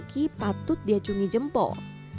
mencari rezeki patut diajungi jempol